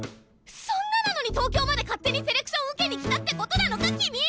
そんななのに東京まで勝手にセレクション受けに来たってことなのか君！